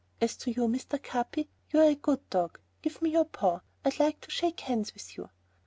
As to you, Mr. Capi, you are a good dog, give me your paw. I'd like to shake hands with you."